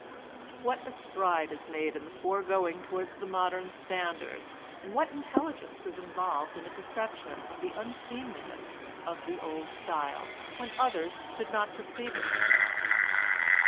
What a stride is made in the foregoing towards the modern standard, and what intelligence is involved in the perception of the unseemliness of the old style, when others did not perceive it!